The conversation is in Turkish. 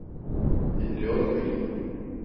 Dinliyor muydun?